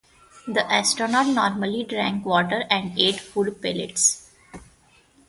The astronaut normally drank water and ate food pellets.